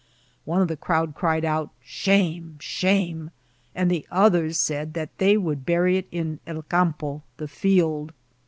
One of the crowd cried out, *' Shame ! shame !" and others said they would bury it in el campo, the field.